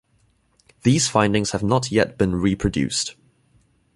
These findings have not yet been reproduced.